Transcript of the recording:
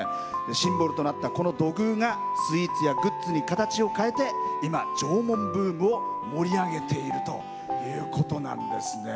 シンボルとなった土偶がスイーツやグッズに形を変えて今、縄文ブームを盛り上げているということなんです。